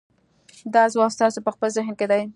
دا ځواب ستاسې په خپل ذهن کې دی.